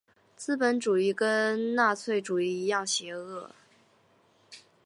资本主义跟纳粹主义一样邪恶。